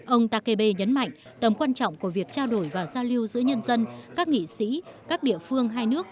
ông takebe nhấn mạnh tầm quan trọng của việc trao đổi và giao lưu giữa nhân dân các nghị sĩ các địa phương hai nước